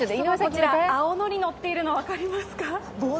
こちら、青のりのっているの分かりますか？